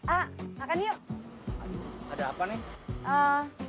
ah makan yuk ada apa nih